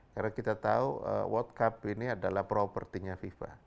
karena kita tahu world cup ini adalah propertinya fifa